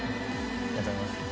ありがとうございます。